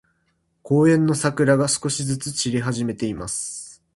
公園の桜が、少しずつ散り始めています。